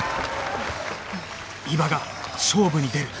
伊庭が勝負に出る